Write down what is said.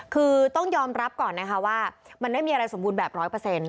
คือต้องยอมรับก่อนนะคะว่ามันไม่มีอะไรสมบูรณ์แบบร้อยเปอร์เซ็นต